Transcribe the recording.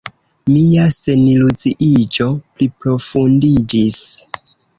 Mia seniluziiĝo pliprofundiĝis.